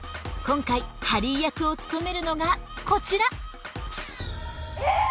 今回ハリー役を務めるのがこちらえ！